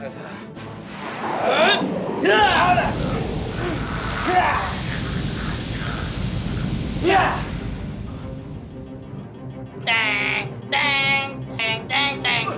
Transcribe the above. kalian berdua tidak perlu tahu siapa kami